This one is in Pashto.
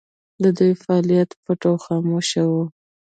د دوی فعالیتونه پټ او خاموشه وو.